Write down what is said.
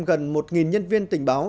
gần một nhân viên tình báo